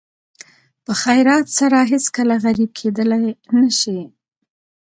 په خیرات سره هېڅکله غریب کېدلی نه شئ.